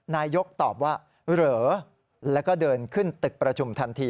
นายกตอบว่าเหรอแล้วก็เดินขึ้นตึกประชุมทันที